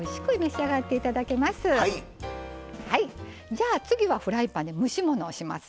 じゃあ次はフライパンで蒸し物をしますよ。